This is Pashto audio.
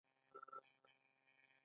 دا بنسټ یوه خاص قوم ته ځانګړی شوی.